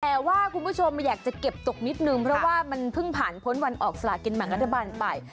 แต่ว่าคุณผู้ชมอยากจะเก็บตกนิดนึงเพราะว่ามันเพิ่งผ่านพ้นวันออกสลากินแบ่งรัฐบาลไป